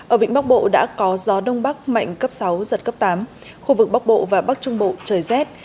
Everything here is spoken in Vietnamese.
ở vịnh bắc bộ đã có gió đông bắc mạnh cấp sáu giật cấp tám khu vực bắc bộ và bắc trung bộ trời rét